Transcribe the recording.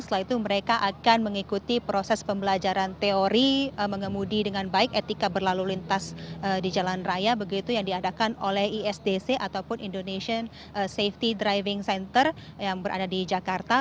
setelah itu mereka akan mengikuti proses pembelajaran teori mengemudi dengan baik etika berlalu lintas di jalan raya begitu yang diadakan oleh isdc ataupun indonesian safety driving center yang berada di jakarta